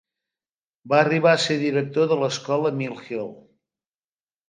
Va arribar a ser director de l'escola Mill Hill.